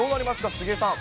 杉江さん。